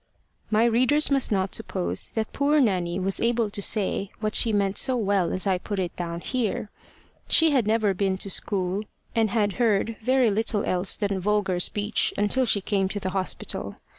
My readers must not suppose that poor Nanny was able to say what she meant so well as I put it down here. She had never been to school, and had heard very little else than vulgar speech until she came to the hospital.